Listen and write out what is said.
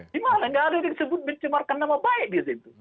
gimana nggak ada yang disebut mencebarkan nama baik di situ